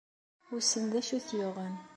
Wissen d acu i t-yuɣen?